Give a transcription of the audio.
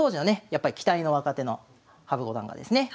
やっぱり期待の若手の羽生五段がですね